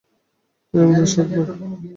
তিনি এবং তার সাত ভাই।